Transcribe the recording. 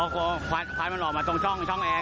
อ๋อควันมันออกมาตรงช่องแอร์